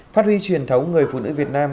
phát huy truyền thống người phụ nữ việt nam